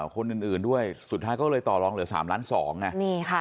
คนอื่นด้วยสุดท้ายก็เลยต่อรองเหลือ๓ล้าน๒ไงนี่ค่ะ